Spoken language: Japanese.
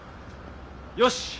よし！